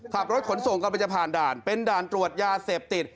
ขับรถขนส่งกำลังจะผ่านด่านเป็นด่านตรวจยาเสพติด